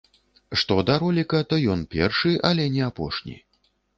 Што да роліка, то ён першы, але не апошні.